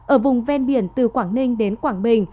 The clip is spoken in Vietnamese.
ở vùng ven biển từ quảng ninh đến quảng bình